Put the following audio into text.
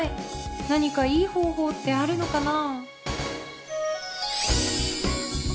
何かいい方法ってあるのかな？